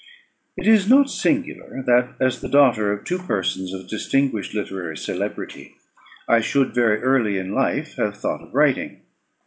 It is not singular that, as the daughter of two persons of distinguished literary celebrity, I should very early in life have thought of writing.